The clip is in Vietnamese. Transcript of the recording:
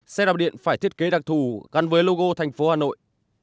xe đạp điện phải thiết kế đặc thù gắn với logo thành phố hà nội